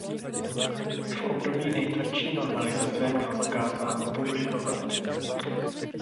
V období nejtvrdší normalizace měl zakázáno publikovat.